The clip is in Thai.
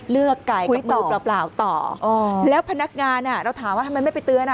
เลือกไก่กับมือเปล่าต่อแล้วพนักงานน่ะเราถามว่าทำไมไม่ไปเตือน